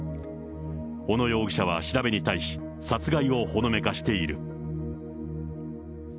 小野容疑者は調べに対し、殺害をほのめかしている。